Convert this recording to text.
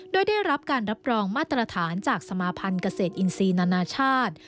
โดยได้รับการรับรองมาตรฐานจากสมาภัณฑ์เกษตรอินทรีย์นานาชาติ